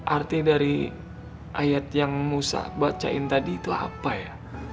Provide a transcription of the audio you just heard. arti dari ayat yang musa bacain tadi itu apa ya